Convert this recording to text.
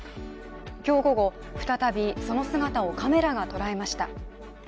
今日午後、再びその姿をカメラが捉えました。